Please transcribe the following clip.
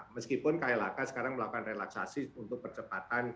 meskipun klhk sekarang melakukan relaksasi untuk percepatan